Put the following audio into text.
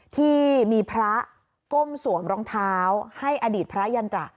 ที่มีพระก้มสวมรองเท้าให้อดีตพระยันตระ